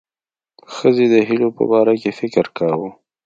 ښځې د هیلو په باره کې فکر کاوه.